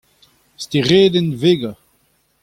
Steredenn Vega.